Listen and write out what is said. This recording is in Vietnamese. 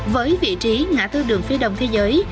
với vị trí ngã tư đường phía đông thế giới